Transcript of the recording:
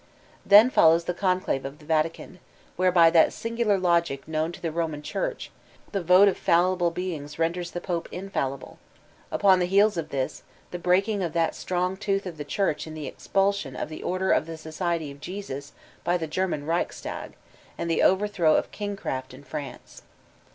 Then follows the Conclave of the Vatican, where by that singular logic known to the Roman Church, the vote of fallible beings renders die pope infallible; upon the heels of this, the breaking of that strong tooth of the Church in the expulsion of the Order of the Society of Jesus by the German Reichstag, and the overthrow of kingcraft in France.